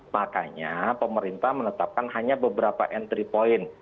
makanya pemerintah menetapkan hanya beberapa entry point